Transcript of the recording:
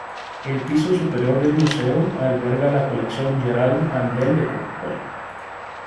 El piso superior del Museo, alberga la colección "Gerald Handel de Coca-Cola".